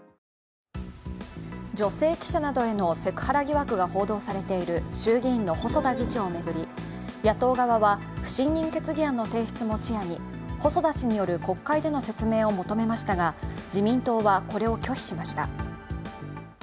女性記者などへのセクハラ疑惑が報道されている衆議院の細田議長を巡り野党側は不信任決議案の提出も視野に細田氏による国会での説明を求めましたが、自民党はこれを拒否しました。